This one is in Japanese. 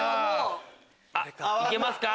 あっいけますか？